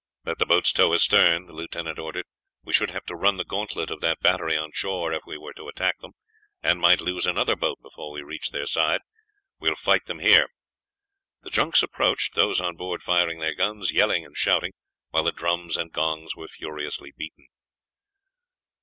"Let the boats tow astern," the lieutenant ordered. "We should have to run the gantlet of that battery on shore if we were to attack them, and might lose another boat before we reached their side. We will fight them here." The junks approached, those on board firing their guns, yelling and shouting, while the drums and gongs were furiously beaten.